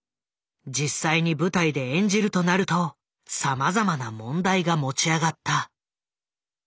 実際に舞台で演じるとなるとさまざまな問題が持ち上がった。